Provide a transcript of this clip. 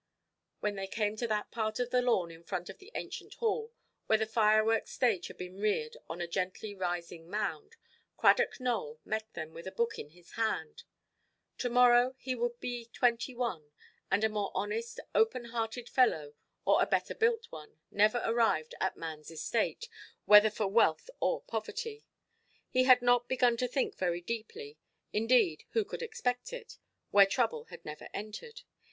When they came to that part of the lawn in front of the ancient Hall where the fireworks' stage had been reared on a gently–rising mound, Cradock Nowell met them, with a book in his hand. To–morrow he would be twenty–one; and a more honest, open–hearted fellow, or a better built one, never arrived at manʼs estate, whether for wealth or poverty. He had not begun to think very deeply; indeed, who could expect it, where trouble had never entered?